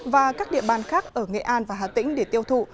và các địa bàn khác ở nghệ an và hà tĩnh để tiêu thụ